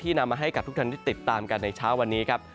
นำมาให้กับทุกท่านที่ติดตามกันในเช้าวันนี้ครับ